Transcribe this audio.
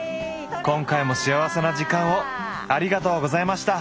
今回も幸せな時間をありがとうございました。